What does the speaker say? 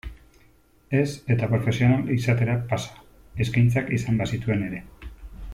Ez eta profesional izatera pasa, eskaintzak izan bazituen ere.